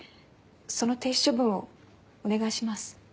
その停止処分をお願いします。